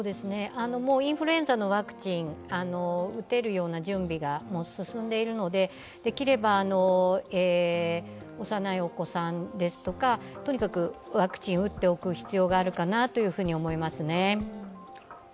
インフルエンザのワクチン、打てるような準備がもう進んでいるのでできれば幼いお子さんですとか、とにかくワクチンを打っておく必要があるかなと思います。